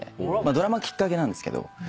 ドラマきっかけなんですけど。